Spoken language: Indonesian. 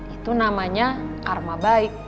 itu namanya karma baik